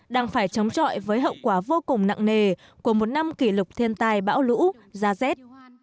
đang phải chống chọi với hậu quả vô cùng nặng nề của một năm kỷ lục thiên tai bão lũ da rét